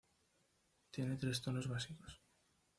Tiene tres tonos básicos.